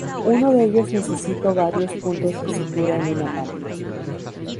Uno de ellos necesito varios puntos de sutura en una mano.